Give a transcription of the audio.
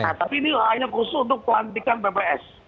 nah tapi ini hanya khusus untuk pelantikan bps